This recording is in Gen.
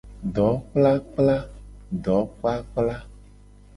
Dokplakpla.